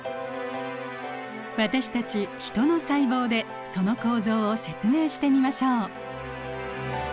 私たちヒトの細胞でその構造を説明してみましょう。